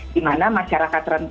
di mana masyarakat teratasi